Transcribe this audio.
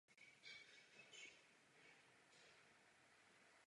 Nachází se na severovýchodě Kolína za řekou Labe.